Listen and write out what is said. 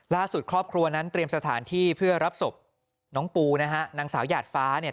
ล่าสุดครอบครัวนั้นเตรียมสถานที่เพื่อรับศพน้องปูนะฮะนางสาวหยาดฟ้าเนี่ย